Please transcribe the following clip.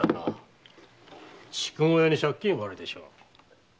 筑後屋に借金があるでしょう？